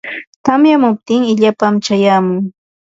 Tamyamuptin illapam chayamun.